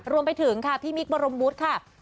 รวมไปถึงค่ะพี่มิคบรมวุฒิค่ะ